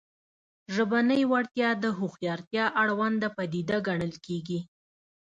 ژبنۍ وړتیا د هوښیارتیا اړونده پدیده ګڼل کېږي